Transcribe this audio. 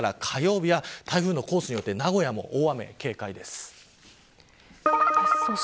特に月曜日から火曜日は台風のコースによって名古屋も大雨に警戒です。